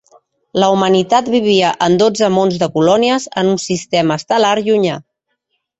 La humanitat vivia en dotze mons de colònies en un sistema estel·lar llunyà.